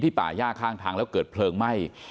ป่าย่าข้างทางแล้วเกิดเพลิงไหม้